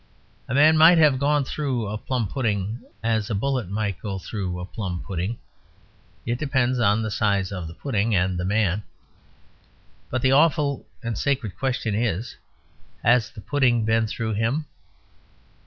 A man might have gone "through" a plum pudding as a bullet might go through a plum pudding; it depends on the size of the pudding and the man. But the awful and sacred question is "Has the pudding been through him?"